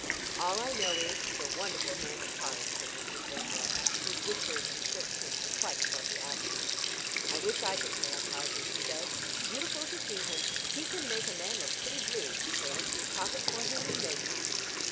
"All I know is, he's a wonderful hand at cards," said Mr. Filmore, whose whiskers and shirt pin were quite above the average. "I wish I could play écarté as he does; it's beautiful to see him; he can make a man look pretty blue; he'll empty his pocket for him in no time."